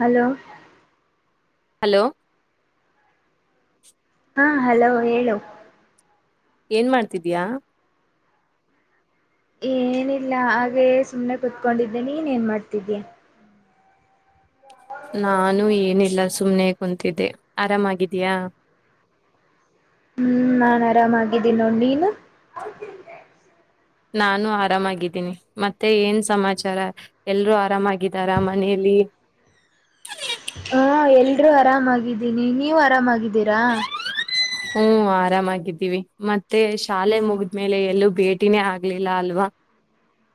Hello hello ಹಾ hello ಹೇಳು ಏನ್ ಮಾಡ್ತಿದಿ ಯಾ ಏನಿಲ್ಲ ಹಾಗೆ ಸುಮ್ನೆ ಕುೂತ್ಕೊಂಡಿದ್ದೆ ನೀನ್ ಏನ್ ಮಾಡ್ತಿದ್ದೀಯ ನಾನು ಏನು ಇಲ್ಲ ಸು ಸುಮ್ನೆ ಕುಂತಿದ್ದೆ ಆರಾಮಾಗಿದಯಾ ಹ್ಮ್ ನಾನ್ ಆರಾಮಾಗಿದ್ದೀನಿ ನೋ ನೀನು ನಾನು ಆರಾಮಾಗಿದ್ದೀನಿ ಮತ್ತೆ ಏನ್ ಸಮಾಚಾರ ಎಲ್ರುೂ ಆರಾಮಾಗಿದ್ದಾರ ಮನೆಯಲ್ಲಿ [inaudible] ಹಾ ಎಲ್ರೂ ಆರಾಮಾಗಿದ್ದೀನಿ ನೀವು ಆರಾಮಾಗಿದ್ದೀರಾ ಹ್ಮ ಆರಾಮಾಗಿದ್ದೀವಿ ಮತ್ತೆ ಶಾಲೆ ಹ್ಮ್ ಮುಗಿದ್ಮೇಲೆ ಎಲ್ಲೂ ಭೇಟಿನೇ ಆಗ್ಲಿಲ್ಲ ಅಲ್ವಾ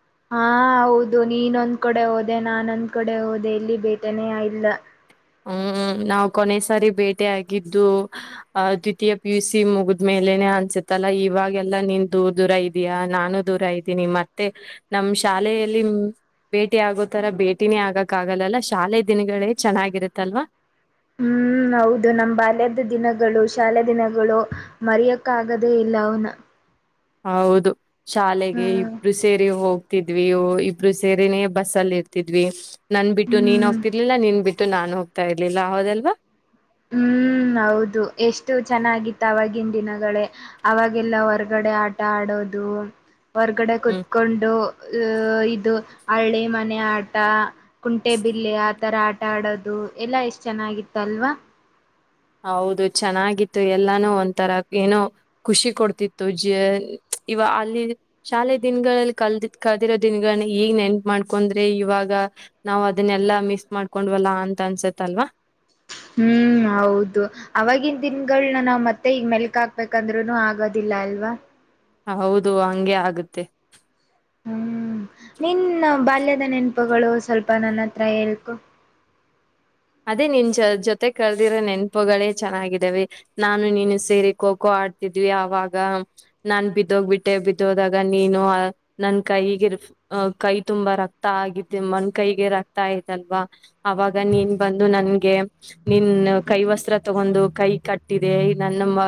[inaudible] ಹ ಹೌದು ನೀನೊಂದ್ ಕಡೆ ಹೋದೆ ನಾನೊಂದ್ ಕಡೆ ಹೋದೆ ಇಲ್ಲಿ ಬೇಟನೇ ಇಲ್ಲ ಹ್ಮ್ ನಾವು ಕೊನೆ ಸಾರಿ ಬೇಟೆ ಆಗಿದ್ದು ಅ ದ್ವಿತೀಯ ಪಿ ಯು ಸಿ ಮುಗಿದ್ ಮೇಲೆನೆ ಅನ್ಸುತ್ತೆ ಗತ್ತಲ್ಲಾ ಇವಾಗೆಲ್ಲಾ ನೀನ್ ದೂರ ದೂರ ಇದಯಾ ನಾನು ದೂರ ಇದ್ದೀನಿ ಮತ್ತೆ ನಮ ಶಾಲೆಯಲ್ಲಿ ಭೇಟಿ ಆಗೋ ತರ ಭೇಟಿನೇ ಆಗಕ್ ಆಗಲ್ಲಲ್ಲ ಶಾಲೆ ದಿನಗಳೇ ಚೆನ್ನಾಗಿರುತ್ತೆ ತಲ್ವಾ ಹ್ಮ್ ಹೌದು ನಮ್ ಬಾಲ್ಯದ ದಿನಗಳು ಶಾಲೆ ದಿನಗಳು ಮರಿಯಕ್ ಆಗದೇ ಇಲ್ಲ ಅವುನ ಹೌದು ಶಾಲೆಗೆ ಇಬ್ರು ಸೇರಿ ಹೋಗ ತಿದ್ವಿ ಇಬ್ಬರು ಸೇರೇನೇ ಬಸ್ಸ ಅಲ್ಲಿ ಇರ್ತಿದ್ವಿ ನನ್ ಬಿಟ್ಟು ನೀನ್ ಹ್ಮ್ ಹೋಗ್ತಿರ್ಲಿಲ್ಲ ನೀನ್ ಬಿಟ್ಟ ನಾನ್ ಹೋಗ್ತಾ ಇರ್ಲಿಲ್ಲ ಹೌದಲ್ವಾ ಹ್ಮ್ ಹೌದು ಎಷ್ಟು ಚೆನ್ನಾಗಿತ್ತು ಆವಾಗಿನ್ ದಿನಗಳೇ ಅವಾಗೆಲ್ಲ ಹೊರ್ಗಡೆ ಆಟ ಆಡ ಹೌದು ಹೊರಗಡೆ ಹ್ಮ್ ಕುೂತ್ಕೊಂಡು ಅ ಇದು ಹಳ್ಳಿ ಮನೆ ಆಟ ಕುಂಟೆ ಬಿಲ್ಲೆ ಆ ತರ ಆಟ ಆಡೋದು ಎಲ್ಲಾ ಎಷ್ಟ್ ಚೆನ್ನಾಗಿತ್ತು ಅಲ್ವಾ ಹೌದು ಚೆನ್ನಾಗಿತ್ತು ಎಲ್ಲಾನು ಒಂಥರ ಏನೋ ಖುಷಿ ಕೊಡ್ತಿತ್ತು ಜ ಇವ ಅಲ್ಲಿ ಶಾಲೆ ದಿನಗಳಲ್ಲಿ ಕಲ್ದ ಕಲ್ದಿರೋ ದಿನಗಳನ್ನ ಈಗ್ ನೆನ್ಪ ಮಾಡ್ಕೊಂಡ್ರೆ ಇವಾಗ ನಾವ್ ಅದನ್ನೆಲ್ಲಾ ಮಿಸ್ ಮಾಡ್ಕೊಂಡ್ವಲ್ಲಾ ಅಂತ ಅನ್ಸತ್ತ ಅಲ್ವಾ ಹ್ಮ್ ಹೌದು ಅವವಾಗಿನ ದನ್ಗಳನ ನಾವ್ ಮತ್ತೆ ಈಗ ಮೆಲ್ಕ್ ಹಾಕ್ಬೇಕಂದ್ರುನು ಆಗೋದಿಲ್ಲ ಲಾಲ್ವಾ ಹೌದು ಹಂಗೆ ಆಗುತ್ತೆ ಹ್ಮ್ ನಿನ್ ಬಾಲ್ಯದ ನೆನಪುಗಳು ಸ್ವಲ್ಪ ನನ್ನ ಹತ್ರ ಹೇಳ್ಕು ಅದೇ ನಿನ್ ಜ ಜೊತೆ ಕಳದಿರೋ ನೆನಪುಗಳೇ ಚೆನ್ನಾಗಿದ್ದಾವ ನಾನು ನೀನು ಸೇರಿ ಖೋಖೋ ಆ [unintelligible] ಿದ್ವಿ ಆಾಗ ನಾನ್ ಬಿದ್ದೋಗ್ಬಿಟ್ಟೆ ಬಿದ್ದೋದಾಗ ನೀನು ನನ್ ಕೈಗಿರ್ [unintelligible] ಅಹ ಕೈ ತುಂಬಾ ರಕ್ತ ಆಗಿದೆ ಮನ್ ಕೈಗೆ ರಕ್ತ ಆಯ್ತಲ್ವಾ ಅವಾಗ ನೀನ್ ಬಂದು ನನ್ಗೆ ನಿನ್ ಕೈ ವಸ್ತ್ರ ತಗೊಂಡು ಕೈ ಕಟ್ಟಿದೆ ನನ್ನ [unintelligible]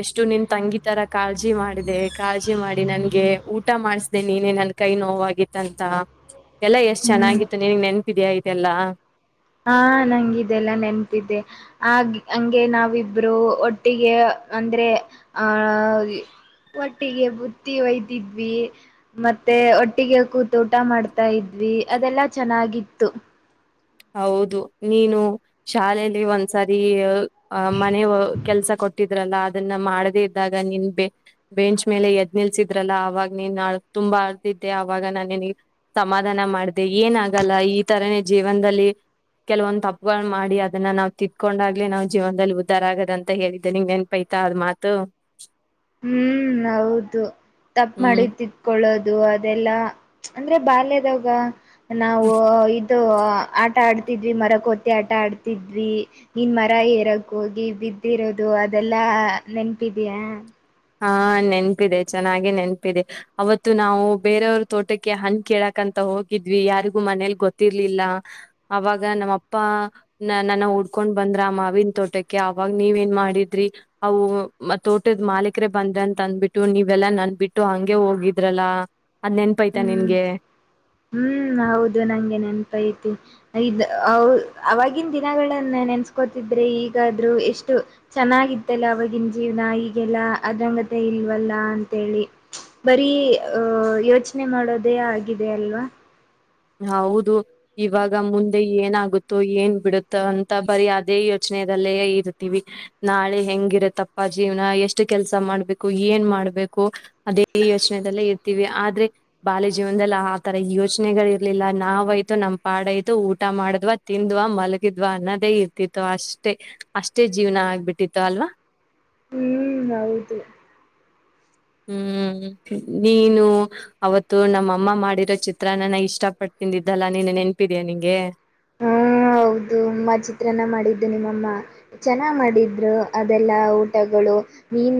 ಅಷ್ಟು ನಿನ್ ತಂಗಿ ತರ ಕಾಳಜಿ ಮಾಡಿದೆ ಕಾಳಜಿ ಮಾಡಿ ನನ್ಗೆ ಊಟ ಮಾಡಿಸಿದೆ ನೀನೆ ನನ್ನ ಕೈ [unintelligible] ನೋತ್ತಂತ ಎಲ್ಲಾ ಎಷ್ಟ್ ಹ್ಮ್ ಚೆನ್ನಾಗಿತ್ತು ನಿನಗ್ ನೆನಪಿದಯ ಇದೆಲ್ಲಾ [unintelligible] ಹಾ ನಂಗ ಇದೆಲ್ಲ ನೆನಪಿದ್ದೆ ಆ ಹಂಗೆ ನಾವಿಬ್ರು ಒಟ್ಟಿಗೆ [unintelligible] ಅಂದ್ರೆ ಆ [unintelligible] ಒಟ್ಟಿಗೆ ಬುತ್ತಿ ಒಯ್ದಿದ್ವಿ ಮತ್ತೆ ಒಟ್ಟಿಗೆ ಕೂತ ಟ ಮಾಡ್ತಾ ಇದ್ವಿ [unintelligible] ಅದೆಲ್ಲಾ ಚೆನ್ನಾಗಿತ್ತು [unintelligible] ಹೌದು ನೀನು ಶಾಲೆಯಲ್ಲಿ ಒಂದ್ಸರಿ [unintelligible] ಅಹ ಮನೆ ಕೆಲ್ಸ ಕೊಟ್ಟ [unintelligible] ಅದನ್ನ ಮಾಡದೇ ಇದ್ದಾಗ ನಿನ್ ಬೆಂಚ್ ಮೇಲೆ ಎದ್ ನಿಲ್ಸಿದ್ರಲ್ಲ ಅವಾಗ ನೀ ತುಂಬ ಬತಿದ್ದೆ ಅವಾಗ ನಾನನ ಸಮಾಧಾನ ಮಾಡ್ದೆ ಏನಾಗಲ್ಲ ಈ ತರನ ಜೀವ ಜ ಒಂದದಲ್ಲಿ ಕೆಲವೊಂದ ತಪ್ಪುಗಳು ಮಾಡಿ ಅದನ್ನ ನಾವ್ ತಿತ್ಕೊಂಡಾಗ್ಲಿ ನಾವ್ ಜೀವನದಲ್ಲಿ ಉದ್ಧಾರ ಆಗದ ಅಂತ ಹೇಳಿದ್ದೆ ನೆನಪಾಯಿತೇ ತಾರ್ ಮಾತು [unintelligible] ಹ್ಮ್ ಹೌದು ತಪ್ಪ ಮಾಡಿ ಹ್ಮ್. ತಿತ್ಕೊಳ್ಳೋದು ಅದು ಅದೆಲ್ಲಾ ಅಂದ್ರೆ ಬಾಲ್ಯದಾಗ ನಾವು ಆಟ ಆಡ್ತಿದ್ವಿ ಮರಕ್ಕೊತ್ತ ಆಟ ಆಡ್ತಿದ್ವಿ ನಿನ್ ಮರ ಏರಕ್ ಹೋಗಿ ಬಿದ್ದಿರೋದು ಅದೆಲ್ಲಾ ನೆನಪಿದಿಯಾ ಹಾ ನೆನ್ಪಿದೆ ಚೆನ್ನಾಗೆ ನೆನ್ಪಿದೆ ಅವತ್ತು ನಾವು ಬೇರೆಯವ್ರ ತೋಟಕ್ಕೆ ಹಣ ಕೇಳಕ್ ಅಂತ ಹೋಗಿದ್ವಿ ಯಾರಿಗೂ ಮನೇಲಿ ಗೊತ್ತಿರ್ಲಿಲ್ಲ ಅವಾಗ ನಮ್ಮಪ್ಪ ನನ್ನ ಉಡ್ಕೊಂಡ್ ಬಂದ್ರ ಆ ಮಾವಿನ ತೋಟಕ್ಕೆ ಅವಾಗ ನೀವ ಏನ್ ಮಾಡಿದ್ರಿ ಅವು ತೋಟದ ಮಾ ಬಕ್ರೆ ಬಂದ್ರ ಅಂತ ಅಂದ್ಬಿಟ್ಟು ನೀವೆಲ್ಲಾ ನನ್ಬಿಟ್ಟು ಹಂಗೆ ಹೋಗಿದ್ರಲ್ಲ ಅದ್ ನೆನ್ಪೈತಾ ಹ್ಮ್ ನಿನ್ಗೆ ಹ್ಮ್ ಹೌದು ನಂಗೆ ನೆನಪೈತಿ ಅವವಾಗಿನ ದಿನಗಳನ್ನ ನೆನ್ಸ್ಕೋತಿದ್ರೆ ಈಗಾದ್ರೂ ಎಷ್ಟು ಚೆನ್ನಾಗಿತ್ತಲ್ಲ ಅವ ಜೀವನ ಈಗೆಲ್ಲ ಅದಂಗತೆ ಇಲ್ವಲ್ಲ ಅಂತೇಳಿ ಬರ ಯೋಚ ಪ್ರಶ್ನೆ ಮಾಡೋದೇ ಆಗಿದೆ ಅಲ್ವಾ ಹೌದು ಇವಾಗ ಮುಂದೆ ಏನಾಗುತ್ತೋ ಏನ್ ಬಿಡುತ್ತ ಅಂತ ಬರಿೀ ಅದೇ ಯೋಚನೆ ಮನಲ್ಲ ಇರ್ತೀವಿ ನಾಳೆ ಹೆಂಗಿರತ್ತಪ್ಪ ಜೀವನ ಎಷ್ಟು ಕೆಲ್ಸ ಮಾಡ್ಬೇಕು ಏನ್ ಮಾಡ್ಬೇಕ ಬು ಅದೇ ಯೋಚನೆದಲ್ಲೇ ಇರ್ತೀವಿ ಆದ್ರೆ ಬಾಲ್ಯ ಜೀವನದಲ್ಲಿ ಆ ತರ ಯೋಚನೆಗಳ ರ್ಲಿಲ್ಲ [unintelligible] ನಾವ್ಯ್ತು ನಮ್ ಪಾಡ್ ಆಯ್ತು ಊಟ ಮಾಡ್ವ ತಿಂದ್ವಾ ಮಲಗಿದ್ವ ಅನ್ನೋದೇ ಇರ್ತಿತ್ತು ಅಷ್ಟ ಅಷ್ಟೆ ಅಷ್ಟೇ ಜೀವನ ಆಗ್ಬಿಟ್ಟಿತ್ತು ಅಲ್ವಾ ಹ್ಮ್ ಹೌದು ಹ್ಮ್ ನೀನು ಅವತ್ತು ನಮ್ಮಅಮ್ಮ ಮಾಡಿರೋ ಚಿತ್ರಾನ್ನ ಇಷ್ಟಪಟ್ಟ ತಿಂದಿದ್ದಲ್ಲಾ ನೀನು ನೆನ್ಪಿದಯಾ ನಿಂಗೆ ಹೌದುಮ್ಮ ಚಿತ್ರಾನ್ನ ಮಾಡಿದ್ದು ನಿಮ್ಮಮ್ಮ ಚೆನ್ನಾಗ ಮಾಡಿದ್ರು ಅದೆಲ್ಲ ಊಟಗಳು ನೀನ್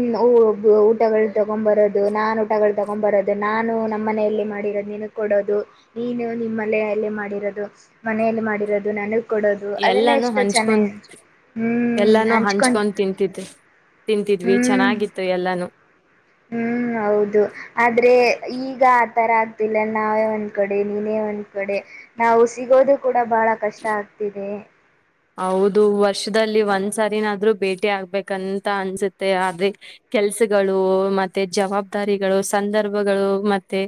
ಊಟಗಳು ತಗೊಂಡ್ ಬರದು ನಾನ್ ಊಟಗಳು ತಗೊಂಡ್ ಬರೋದು ನಾನು ನಮ್ಮ ಮನಲ್ಲ ಮಾಡಿರೋದು ನಿನಗೆ ಕೊಡೋದು ನೀನು ನಿಮ್ಮ ಮನಲ್ಲ ಮಾಡಿರೋದು ಮನೆಯಲ್ಲಿ ಮಾಡಿರೋದು ನನಗ್ ಕೊಡೋದು ಅದೆಲ್ಲ ಎಲ್ಲಾನೂ ಎಷ್ಟು ಹಂಚ್ಕೊಂಡ ಚೆನ್ನಾಗಿ ಎಲ್ಲಾನೂ ಹಂಚ್ಕೊಂಡ್ ತಿಂತಿದ್ದೆ ತಿಂತಿದ್ವಿ ಹ್ಮ್ ಚೆನ್ನಾಗಿತ್ತು ಎಲ್ಲಾನೂ ಹ್ಮ್ ಹೌದು ಆದ್ರೆ ಈ ಈಗ ಆ ತರ ಆಗ್ತಿಲ್ಲ ನಾವೇ ಒಂದ್ ಕಡೆ ನೀನೇ ಒಂದ್ ಕಡೆ ನಾವು ಸಿಗೋದು ಕೂಡ ಕಡ ಬಹಳ ಕಷ್ಟ ಆಗ್ತಿದೆ ಹೌದು ವರ್ಷದಲ್ಲಿ ಒಂದ್ಸಾರಿನಾದ್ರೂ ಭೇಟಿ ಆಗ್ಬೇಕಂತ ಅನ್ಸುತ್ತೆ ಆದೆ ಕೆಲ್ಸಗಳು ಮತ್ತೆ ಜವಾಬ್ದಾರಿಗಳು ಸಂದರ್ಭಗಳು ಮತ್ತೆ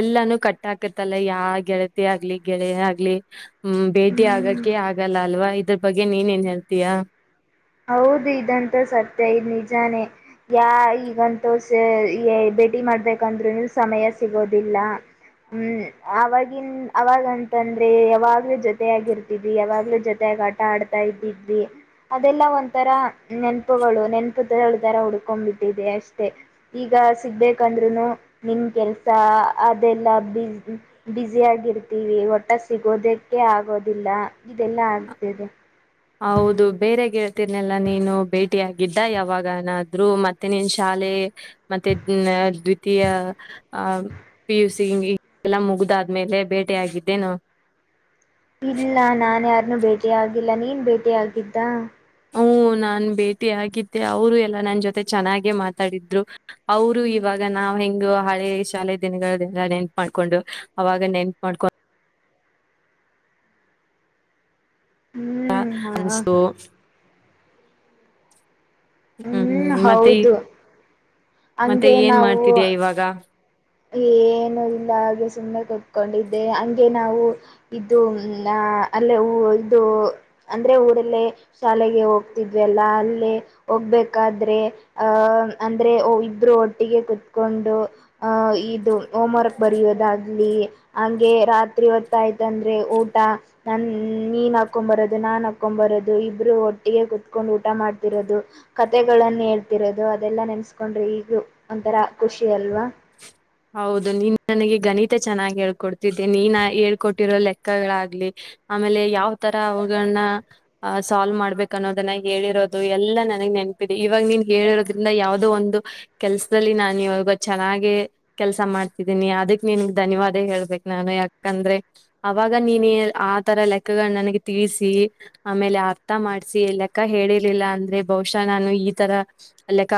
ಎಲ್ಲಾನೂ ಕಟ್ಟ ಹಾಕತ್ತಲ್ಲ ಯಾ ಗೆಳತಿ ಆಗ್ಲಿ ಗೆಳೆಯ ಆಗ್ಲಿ ಹ್ಮ್ ಭೇಟಿ ಹ್ಮ್ ಹಾಗಕ್ಕೆ ಆಗಲ್ಲ ಅಲ್ವಾ ಇದ್ರ ಬಗ್ಗೆ ನೀನ್ ಏನ್ ಹೇಳ್ತೀಯ ಹೌದು ಇದಂತೂ ಸತ್ಯ ಇ್ ನಿಜಾನೇ ಯಾ ಈಗಂತೂ ಭೇಟಿ ಮಾಡಬೇಕಂದ್ರೂ ಸಮಯ ಸಿಗೋದಿಲ್ಲ ಹ್ಮ್ ಅವವಾಗಿನ್ ಅವಾಗಂತಂದ್ರೆ ಯಾವಾಗ್ಲೂ ಜೊತ ಆಗಿರ್ತಿದವಿ ಯಾವಾಗ್ಲೂ ಜೊತೆ ಆ ಆಟ ಆಡ್ತಾ ಇದ್ದಿದ್ವಿ ಅದೆಲ್ಲ ಒಂಥರ ನೆನಪುಗಳು ನೆನಪು ತರ ಹುಡ್ಕೊಂಡ್ಬಿಟ್ಟಿದೆ ಅಷ್ಟೇ ಈಗ ಸಿಗ್ಬೇಕಂದ್ರು ನಿಮ್ ಕೆಲ್ಸ ಅದೆಲ್ಲ ಬಿಸಿ ಆಗಿರ್ತೀವಿ ಒಟ್ಟ [unintelligible] ಸಿಗೋದಕ್ಕೆ ಆಗೋದಿಲ್ಲ ಇದೆಲ್ಲಾ ಆಗ್ತದೆ ಹೌದು ಬೇರೆ ಗೆಳ್ತೀರ್ನೆಲ್ಲಾ ನೀನು ಭೇಟಿಯಾಗಿದ್ದ ಯಾವಾಗನಾದ್ರು ಮತ್ತೆ ನೀನ್ ಶಾಲೆ ಮತ್ತೆ ದ್ವಿತೀಯ ಪಿ ಯು ಸಿ ಆದ್ಮೇಲೆ ಬೇಟೆ ಆಗಿದ್ದೇನು ನನು ಭೇಟಿಯಾಗಿಲ್ಲ ನೀನ್ ಭೇಟಿಯಾಗಿದ್ದ ಹ್ ನಾನ್ ಭೇಟಿಯಗಿದ್ದೆ ಅವರು ಎಲ್ಲ ನನ್ನ ಜೊತೆ ಚೆನ್ನಾಗೆ ಮಾತಾಡಿದ್ರು ಅವರು ಇವಾಗ. ಆಗ ನಾವ್ ಹೆಂಗ ಹಳೆ ಶಾಲೆ ದಿನಗಳಲ್ಲ ನೆನ್ಪು ಮಾಡ್ಕೊಂಡು ಅವಾಗ ನೆನ್ಪು ಮಾಡ್ಕೊಂಡ. ಹ್ಮ್ ಅನ್ಸುತೂ. ಹ್ಮ್ ಮತ್ತೆ ಮತ್ತೆ ಹಂಗೆ ಏನ್ ನಾವು ಮಾಡ್ತಿದಯ ಇವಾಗ. ಏನು ಇಲ್ಲ ಹಾಗೆ ಸುಮ್ಮನೆ ಕತ್ಕೊಂಡಿದ್ದೆ ಹಂಗೆ ನಾವು ಇದು. ಅ ಅಲ್ಲೇ ಇದು ಅಂದ್ರೆ ಊರಲ್ಲೇ ಶಾಲೆಗೆ ಹೋಗ್ತಿದ್ವೆ ಅಲ್ಲ ಅಲ್ಲೇ. ಹೋಗ್ಬೇಕಾದ್ರೆ ಅಹ ಅಂದ್ರೆ ಇ್ರರು ಒಟ್ಟಿಗೆ ಕುೂತ್ಕೊಂಡು. ಅಹ ಇದು ಹೋಮ್ವರ್ಕ್ ಬರೆಯೋದಾಗ್ಲಿ ಹಂಗೇ ರಾತ್ರಿ ಹೊತ್ತಾಯ್ತ ಅಂದ್ರೆ ಊಟ. ನ ನೀನ್ ಹಾಕೊಂಡ್ ಬರೋದು ನಾನ್ ಹಾಕೊ್ ಬರೋದು ಇಬ್ಬರು ಒಟ್ಟಿಗೆ ಕುತ್ಕೊಂಡು ಊಟ ಮಾಡ್ತಿರೋದು. ಕತೆೆಗಳನ್ನ ಹೇಳ್ತಿರೋದು ಅದೆಲ್ಲಾ ನೆನ್ಸ್ಕೊಂಡ್ರೆ ಈಗ ಒಂಥರ ಖುಷಿ ಅಲ್ವಾ. ಹೌದು ನೀನ್ ನನಗೆ ಗಣಿತ ಚೆನ್ನಾಗಿ ಹೇಳ್ಕೊಡ್ತಿದ್ದೆ ನೀನ್ ಹೇಳ್ಕೊಟ್ಟಿರೋ ಲೆಕ್ಕಗಳಾಗ್ಲಿ. ಆಮೇಲೆ ಯಾವ್ ತರ ಅವುಗಳನ್ನ ಅ ಸಾಲ್ವ್ ಮಾಡ್ಬೇಕ ಅನ್ನೋದನ್ನ ಹೇಳಿರೋದು ಎಲ್ಲಾ ನನಗೆ. ನೆನಪಿದೆ ಇವಾಗ ನೀನ್ ಹೇಳಿರೋದ್ರಿಂದ ಯಾವವು್ದೋ ಒಂದು ಕೆಲ್ಸದಲ್ಲಿ ನಾು ಇವಾಗ ಚೆನ್ನಾಗೆ. ಕೆಲ್ಸ ಮಾಡ್ತಿದ್ದೀನಿ ಅದಕ್ ನಿನ್ಗ್ ಧನ್ಯವಾದ ಹೇಳ್ಬೇಕಕ್ ನಾನು ಯಾಕಂದ್ರೆ ಅವಾಗ ನೀನೇ. ಆ ತರ ಲೆಕ್ಕಗಳನ್ನ ನನಗೆ ತೀಸಿ ಆಮೇಲೆ ಅರ್ಥ ಮಾಡ್ಸಿ ಲೆಕ್ಕ ಹೇಳಿರ್ಲಿಲ್ಲ ಅಂದ್ರೆ ಬಹಶ. ನಾನು ಈ ತರ ಲೆಕ್ಕ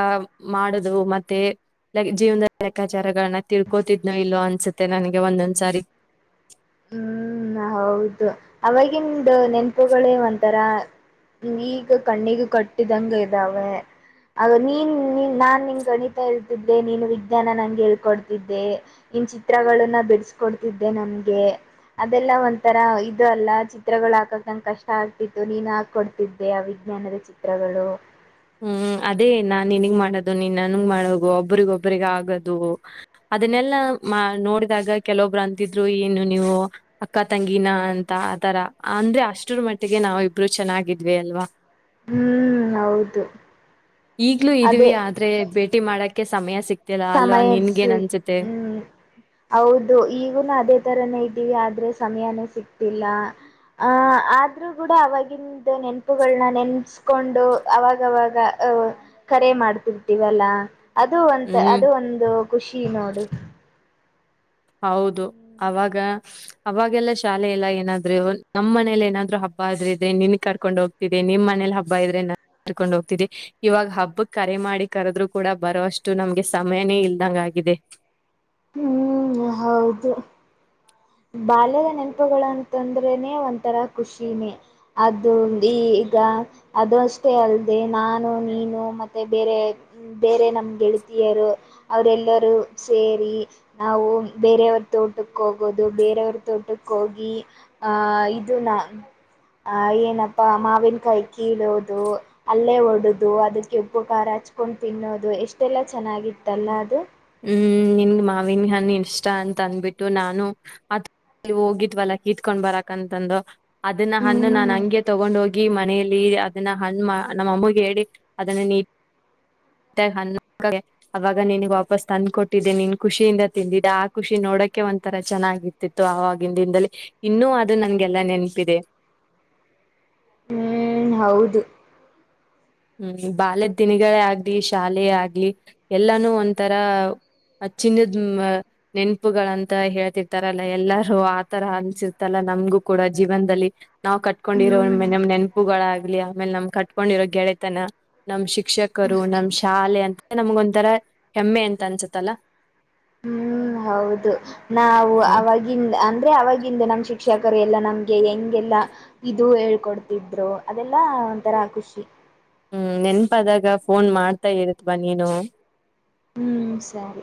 ಮಾಡುದು ಮತ್ತೆ ಜೀವನದಲ್ಲಿ ಲೆಕ್ಕ. ವಿಚಾರಗಳನ್ನ ತಿಳ್ಕೋತಿದ್ನೋ ಇಲ್ಲೋ ಅನ್ಸುತ್ತೆ ನನಗೆ ಒಂದೊಂದ್ಸಾರಿ. ಹ ಹೌದು ಅವವಾಗಿಂದು ನೆನ್ಪುಗಳೇ ಒಂತರ. ಈಗ ಕಣ್ಣಿಗೆ ಕಟ್ಟಿದಂಗ ಇದಾವೆ. ಆ ನೀನ್ ನಾನ್ ನಿನ್ ಗಣಿತ ಹೇಳ್ತಿದ್ದೆ ನೀನು ವಿಜ್ಞಾನ ನಂಗೆ ಹೇಳ್ಕೊಡ್ತಿದ್ದೆ. ಇನ್ ಚಿತ್ರಗಳನ್ನ ಬಿಡಸಕೊಡ್ತಿದ್ದೆ ನಮ್ಗೆ ಅ. ಅದೆಲ್ಲ ಒಂಥರ ಇದು ಅಲ್ಲ ಚಿತ್ರಗಳು ಹಾಕಕ್ ನಂಗೆ ಕಷ್ಟ ಆಗ್ತಿತ್ತು ನೀನ್ ಹಾಕೊಡ್ತಿದ್ದೆ ಆ ವಿಜ್ಞಾನದ. ಚಿತ್ರಗಳು. ಹ್ಮ್ ಅದೇ ನಾನ್ ನಿನಗ್ ಮಾಡೋದು ನೀನ್ ನನ್ಗ್ ಮಾಡದು ಒಬ್ಬರಿಗೊಬರಿಗ ಆಗದು. ಅದನ್ನೆಲ್ಲಾ ನೋಡಿದಾಗ ಕೆಲವೊಬ್ರು ಅಂತಿದ್ರು ಏನು ನೀವು ಅಕ್ಕ ತಂಗಿನ ಅಂತ. ಆ ತರ ಅಂದ್ರೆ ಅಷ್ಟರ ಮಟ್ಟಿಗೆ ನಾವಿಬ್ರು ಇಬ್ರು ಚೆನ್ನಾಗಿದ್ವಿ ಅಲ್ವಾ. ಹ್ಮ್ ಹೌದು. ಈಗ್ಲೂ ಇದೀವಿ ಅದೇ ಆದ್ರೆ ಭೇಟಿ ಮಾಡಕ್ಕೆ ಸಮಯ ಸಿಕ್ತ. ಸಮಯರಿಸ ಹ್ಮ್ ಹೌದು ಈಗುನು ಅದೇ ತರನೇ ಇದ್ದೀವಿ ಅ. ಆದ್ರೆ ಸಮಯಾನೇ ಸಿಗ್ತಿಲ್ಲ. ಅಹ ಆದ್ರೂ ಕೂಡ ಅವವಾಗಿಂದ ನೆನಪುಗಳನ್ನ ನೆನ್ಸ್ಕೊಂಡು ಅವಾಗವಾಗ. ಕರೆ ಮಾಡ್ತಿರ್ತವಲ್ಲ ಅದು. ಒಂತ ಹ್ಮ್. ಅದು ಒಂದು ಖುಷಿ ನೋಡು. ಹೌದು ಅವಾಗ ಅವಾಗೆಲ್ಲ ಶಾಲೆ ಎಲ್ಲ ಏನಾದ್ರರು ನಮ್ಮ್ ಮನೇಲಿ ಏನಾದ್ರು ಹಬ್ಬ. ಹಬ್ಬ ಆದ್ರ ಇದ್ರೆ ನಿನ್ ಕರ್ಕೊಂಡ್ ಹೋಗ್ತಿದೆ ನಿಮ್ಮ ಮನೇಲಿ ಹಬ್ಬ ಇದ್ರೆ. ಕರ್ಕೊಂಡ್ ಹೋಗ್ತಿದೆ ಇವಾಗ ಹಬ್ಬ ಕರೆ ಮಾಡಿ ಕರೆದ್ರು ಕೂಡ ಬರೋಷ್ಟು ನಮ್ಗೆ ಸಮಯನೇ ಇಲ್ದಂಗ. ಇದೆ. ಹ್ಮ್ ಹೌದು. ಬಾಲ್ಯದ ನೆನಪುಗಳು ಅಂತಂದ್ರೆನೆ ಒಥರ ಖುಷಿನೇ ಅದು ಈ. ಈಗ ಅದುಷ್ಟೇ ಅಲ್ಲದೆ ನಾನು ನೀನು ಮತ್ತೆ ಬೇರೆ ಬೇರೆ ನಮ್ಗೆ. ತರು ಅವರೆಲ್ಲರೂ ಸೇರಿ. ನಾವು ಬೇರೆಯವ್ರ ತೋಟಕ್ಕೆ ಹೋಗೋದು ಬೇರೆಯವ್ರ ತೋಟಕ್ಕೆ ಹೋಗಿ ಆಹ ಇದು ನಾ. ಹ. ಅಹ ಏನಪ್ಪಾ ಮಾವಿನಕಾಯಿ ಕೀಳೋುದು ಅಲ್ಲೇ ಒಡದು ಅದಕ್ಕೆ ಉಪಕಾರ. ಹಚ್ಕೊಂಡು ತಿನ್ನೋದು ಎಷ್ಟೆಲ್ಲ ಚೆನ್ನಾಗಿತ್ತಲ್ಲ ಅದು. ಹ್ಮ್ ನಿನ್ ಮಾವಿನ ಹಣ ಇಷ್ಟ ಅಂತ ಅಂದಬಿಟ್ಟು ನಾನು ಅ. ಹೋಗಿದ್ವಲ್ಲ ಕೀತ್ಕೊಂಡ್ ಬರಕ್ಂತಂದು ಅದನ್ನ ಹಣ್ಣು ನಾನ್ ಹ್ಮ್ ಹಂಗೆ ತಗೊಂಡ್ ಹೋಗಿ ಮನಲಿ. ಅದನ್ನ ಹಣ ನಮ್ಮಅಮ್ಮ ಮ್ಗೆ ಹೇಳಿ ಅದನ್ನ ನೀ. ಅವಾಗ ನಿನಗೆಾ [unintelligible] ಪಸ್ ತಂದ ಕೊಟ್ಟಿದ್ದೆ ನಿನ್ ಖುಷಿಯಿಂದ ತಿಂದಿದ್ದ ಆ ಖುಷಿ ನೋಡಕೆಒಂತರ ಚೆನ್ನಾಗಿತಿತ್ತು ಆವಾಗಿನ ದಿಂದದಲ್ಲಿ. ಇನ್ನೂ ಅದು ನನ್ಗೆಲ್ಲಾ ನೆನ್ಪಿದೆ. ಹು ಹೌದು ಹ್ಮ್ ಬಾಲ್ಯದ್ ದಿನಿಗಳೇ ಆಗ್ಲಿ ಶಾಲೆ ಆಗ್ಲಿ ಎಲ್ಲಾನು ಒಂತರಾ. ಚಿನ್ನದ್ ನೆನಪುಗಳಂತ ಹೇಳ್ತಿರ್ತಾರಲ್ಲ ಎಲ್ಲಾರೂ ಆತರ ಅನ್ಸಿರ್ತಲ್ಲ. ನಮ್ಗೂ ಕೂಡ ಜೀವನದಲ್ಲಿ ನಾವ್ ಕಟ್ಕೊಂಡಿರೋ ಹ್ಮ್ ನೆನ್ಪುಗಳಾಗ್ಲಿ ಆಮೇಲೆ ನವ್ ಕಟ್ಕೊಂಡಿರೋ ಗೆಳೆ ತನ ನಮ್ ಶಿಕ್ಷಕರು ನಮ್ ಶಾಲೆ ಅಂತ ನಮ್ಗ ಒಂಥರ ಹೆಮ್ಮೆ ಅಂತ ಅನ್ಸತ್ತಲ್ಲ. [inaudible] ಹು ಹೌದು ನಾವು ಅವವಾಗಿಂದ್ ಅಂದ್ರೆ ಅವವಾಗಿಂದ ನಮ್ ಶ ಶಿಕ್ಷಕರು ಎಲ್ಲಾ ನಮ್ಗೆ ಹೆಂಗೆಲ್ಲಾ ಇದು ಹೇಳ್ಕೊಡ್ತಿದ್ರು ಅದೆಲ್ಲಾ ಒಂಥರಾ ಖುಷಿ. ಹ್ಮ್ ನೆನ್ಪಾದಾಗ ಫೋನ್ ಮಾಡ್ತಾ ಇರ್ತ್ವಾ ನೀನು. ಹ್ಮ್ ಸರಿ